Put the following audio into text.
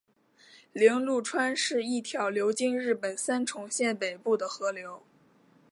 铃鹿川是一条流经日本三重县北部的河流。